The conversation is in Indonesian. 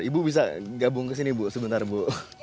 ibu bisa gabung kesini ibu sebentar bu